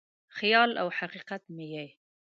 خیال او حقیقت مې یې